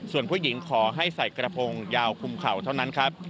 ส่วนผู้หญิงขอให้ใส่กระโพงยาวคุมเข่าเท่านั้นครับ